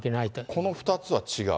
この２つは違う？